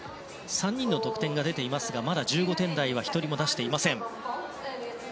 ３人の得点が出ていますがまだ１５点台は１人も出していません。